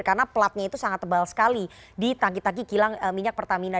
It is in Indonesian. karena platnya itu sangat tebal sekali di tangki taki kilang minyak pertamina